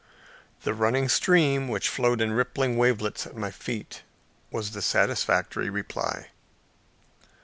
The running stream, which flowed in rippling wavelets at my feet, was the satisfactory reply.